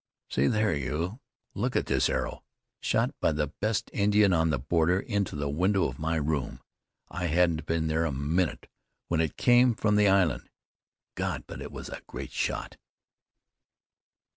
"See there, you! Look at this arrow! Shot by the best Indian on the border into the window of my room. I hadn't been there a minute when it came from the island. God! but it was a great shot!"